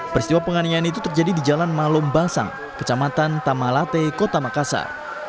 peristiwa penganiayaan itu terjadi di jalan malung bangsang kecamatan tamalate kota makassar